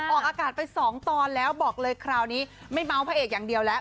ออกอากาศไปสองตอนแล้วบอกเลยคราวนี้ไม่เมาส์พระเอกอย่างเดียวแล้ว